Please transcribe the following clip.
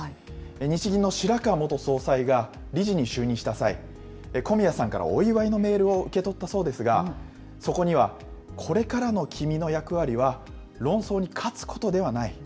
日銀の白川元総裁が理事に就任した際、小宮さんからお祝いのメールを受け取ったそうですが、そこには、これからの君の役割は論争に勝つことではない。